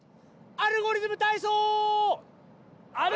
「アルゴリズムたいそう」！